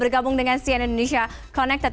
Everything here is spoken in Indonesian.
bergabung dengan cn indonesia connected